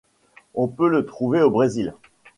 On peut le trouver au Brésil.